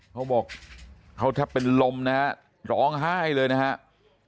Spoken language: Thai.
เขาบอกเขาแทบเป็นลมนะฮะร้องไห้เลยนะครับ